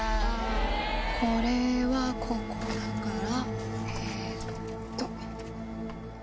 これはここだから、えっと。